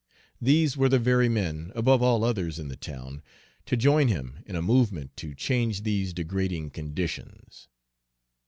These were the very men, above all others in the town, to join him in a movement to change these degrading conditions.